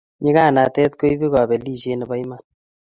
Nyikanatet ko ipu kapelisiet nebo iman